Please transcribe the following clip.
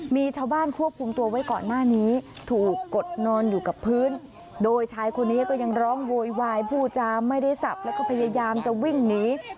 มีชาวบ้านควบคุมตัวไว้ก่อนหน้านี้ถูกกดนอนอยู่กับพื้น